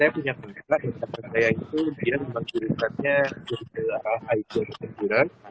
saya punya penggerak yang saya itu